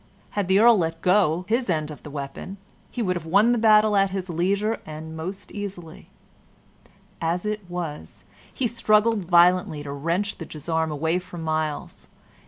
Had the Earl let go his end of the weapon, he would have won the battle at his leisure and most easily; as it was, he struggled violently to wrench the gisarm away from Myles.